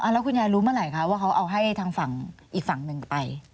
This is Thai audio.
แล้วคุณยายรู้เมื่อไหร่คะว่าเขาเอาให้ทางฝั่งอีกฝั่งหนึ่งไป